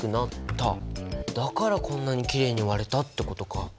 だからこんなにきれいに割れたってことか。